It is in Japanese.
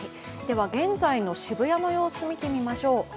現在の渋谷の様子見てみましょう。